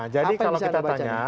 jadi kalau kita tanya